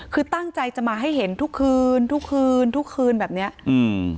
คือตั้งใจจะมาให้เห็นทุกคืนทุกคืนทุกคืนแบบเนี้ยอืม